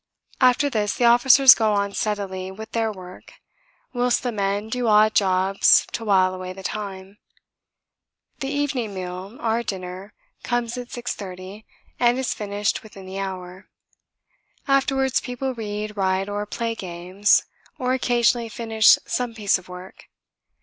After this the officers go on steadily with their work, whilst the men do odd jobs to while away the time. The evening meal, our dinner, comes at 6.30, and is finished within the hour. Afterwards people read, write, or play games, or occasionally finish some piece of work.